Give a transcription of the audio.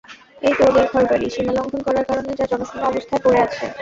এই তো ওদের ঘরবাড়ি — সীমালংঘন করার কারণে যা জনশূন্য অবস্থায় পড়ে আছে।